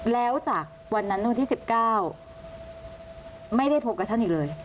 แล้วจากวันนั้นวันที่๑๙ไม่ได้พบกับท่านอีกเลย